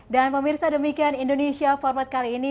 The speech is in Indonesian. dan pemirsa demikian indonesia format kali ini